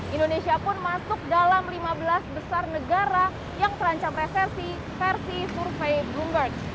indonesia pun masuk dalam lima belas besar negara yang terancam resesi versi survei bloomberg